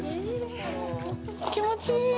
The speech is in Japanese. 気持ちいい！